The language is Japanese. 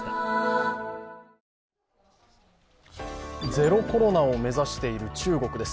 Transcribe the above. ゼロ・コロナを目指している中国です。